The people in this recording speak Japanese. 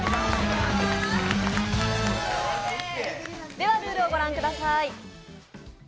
ではルールをご覧ください。